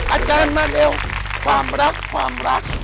อาจารย์มาเร็วความรักความรัก